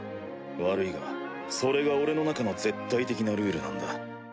悪いがそれが俺の中の絶対的なルールなんだ。